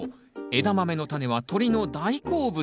エダマメのタネは鳥の大好物。